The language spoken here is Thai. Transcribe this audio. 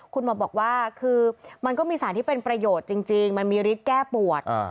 คุณหมอบอกว่าคือมันก็มีสารที่เป็นประโยชน์จริงมันมีฤทธิ์แก้ปวด